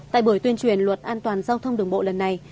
tại buổi tuyên truyền luật an toàn giao thông đường bộ lần này